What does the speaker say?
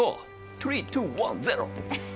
トゥリートゥワンゼロ！